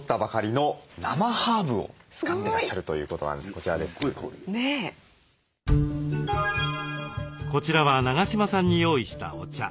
こちらは永島さんに用意したお茶。